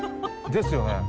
ですよね。